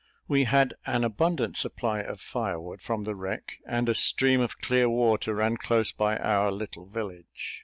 We had an abundant supply of fire wood from the wreck, and a stream of clear water ran close by our little village.